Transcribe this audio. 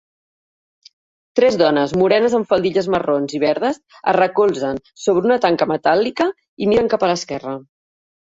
Tres dones morenes amb faldilles marrons i verdes es recolzen sobre una tanca metàl·lica i miren cap a l'esquerra.